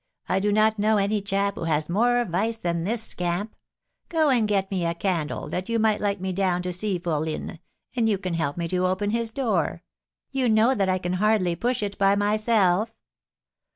I do not know any chap who has more vice than this scamp. Go and get me a candle, that you may light me down to see fourline, and you can help me to open his door. You know that I can hardly push it by myself."